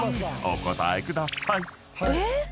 お答えください］え？